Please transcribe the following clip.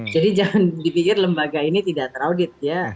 jadi jangan dipikir lembaga ini tidak teraudit ya